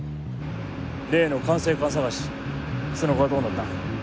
例の管制官探しその後はどうなった？